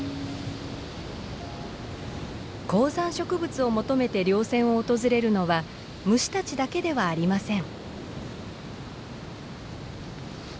高山植物を求めて稜線を訪れるのは虫たちだけではありません。